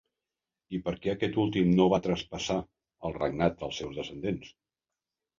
I per què aquest últim no va traspassar el regnat als seus descendents?